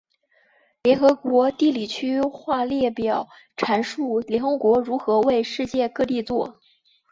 联合国地理区划列表阐述联合国如何为世界各地作。